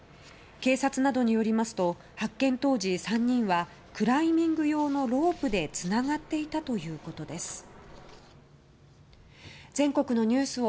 警察などによりますと発見当時、３人はクライミング用のロープでつながっていたということです。